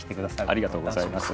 ありがとうございます。